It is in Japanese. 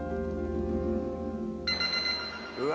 うわ！